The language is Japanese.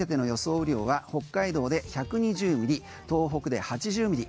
雨量は北海道で１２０ミリ東北で８０ミリ。